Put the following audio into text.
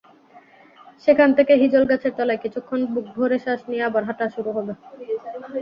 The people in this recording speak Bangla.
সেখান থেকে হিজলগাছের তলায় কিছুক্ষণ বুকভরে শ্বাস নিয়ে আবার শুরু হবে হাঁটা।